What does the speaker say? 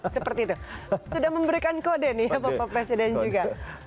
seperti itu sudah memberikan kode nih ya bapak presiden juga